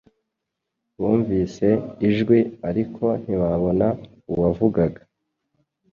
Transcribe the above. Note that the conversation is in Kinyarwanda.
bumvise ijwi ariko ntibabona uwavugaga.